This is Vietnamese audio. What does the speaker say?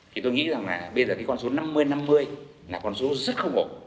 thì tôi nghĩ rằng là bây giờ cái con số năm mươi năm mươi là con số rất không ổn